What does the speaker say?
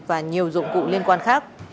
và nhiều dụng cụ liên quan khác